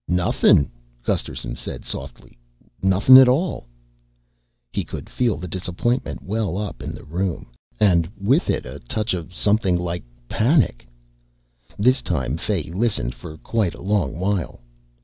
"Nothin'," Gusterson said softly. "Nothin' at all." He could feel the disappointment well up in the room and with it a touch of something like panic. This time Fay listened for quite a long while.